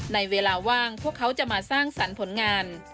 ในเวลาว่างพวกเขาจะมาสร้างสรรค์ผลงาน